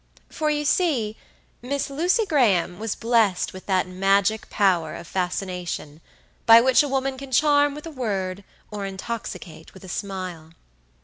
For you see, Miss Lucy Graham was blessed with that magic power of fascination, by which a woman can charm with a word or intoxicate with a smile.